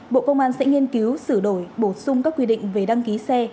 bộ công an sẽ nghiên cứu sửa đổi bổ sung các quy định về đăng ký xe